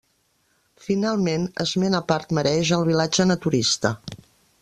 Finalment, esment a part mereix el Vilatge Naturista.